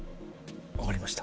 分かりました？